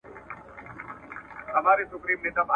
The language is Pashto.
په خپل ژوند کي یې بوره نه وه څکلې `